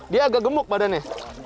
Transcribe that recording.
dia agak gemuk badannya